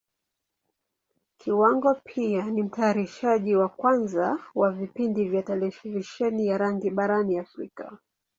Kiwango pia ni Mtayarishaji wa kwanza wa vipindi vya Televisheni ya rangi barani Africa.